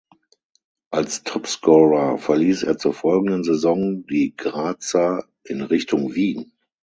Als Topscorer verließ er zur folgenden Saison die Grazer in Richtung Wien.